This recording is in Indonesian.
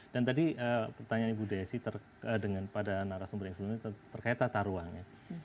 dan tadi pertanyaan ibu desi pada narasumber yang sebelumnya terkait tata ruang ya